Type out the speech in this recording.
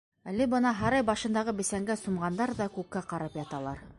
Әле бына һарай башындағы бесәнгә сумғандар ҙа күккә ҡарап яталар.